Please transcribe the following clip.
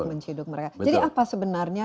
menciduk mereka jadi apa sebenarnya